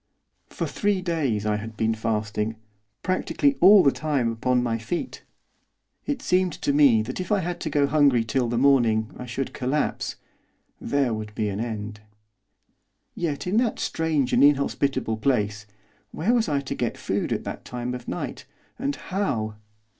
For three days I had been fasting, practically all the time upon my feet. It seemed to me that if I had to go hungry till the morning I should collapse there would be an end. Yet, in that strange and inhospitable place, where was I to get food at that time of night, and how?